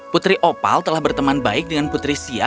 putri opal telah berteman baik dengan putri sia